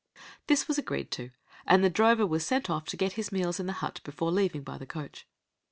This was agreed to, and the drover was sent off to get his meals in the hut before leaving by the coach.